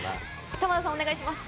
玉田さん、お願いします。